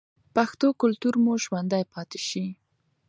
پښتو کلتور مو ژوندی پاتې شي.